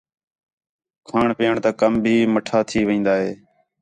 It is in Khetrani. کھاݨ پِیئݨ تا کم بھی مَٹّھا تھی وین٘دا ہِے